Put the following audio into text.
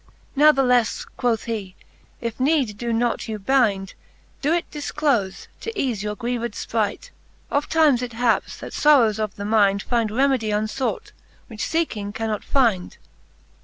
NathlefTe, quoth he, if need doe not you bynd. Doe it difclofe, to eafe your grieved Ipright : Oft times it haps, that forrowes of the mynd Find remedie unfought, which feeking cannot fynd..